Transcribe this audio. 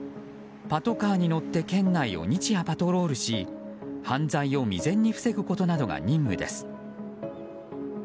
パトカーに乗って県内を日夜パトロールし犯罪を未然に防ぐことなどが任務です。